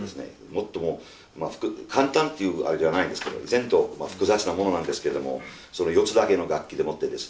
もっとも簡単っていうあれじゃないですから複雑なものなんですけどもその４つだけの楽器でもってですね